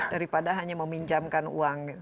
daripada hanya meminjamkan uang